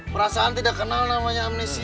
perasaan tidak kenal namanya amnesi